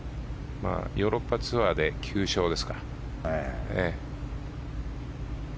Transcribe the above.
ヨーロッパツアーで９勝ですか。